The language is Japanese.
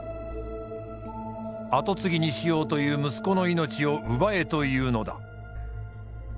跡継ぎにしようという息子の命を奪えというのだ。